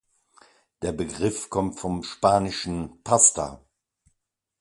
Der Begriff kommt vom spanischen „Pasta“.